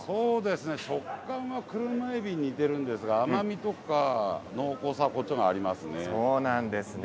食感は車えびに似ているんですが甘みとか濃厚さはこちらの方がありますね。